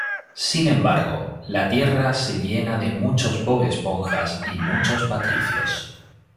Sin embargo, la tierra se llena de muchos Bob Esponjas y muchos Patricios.